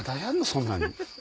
そんなに！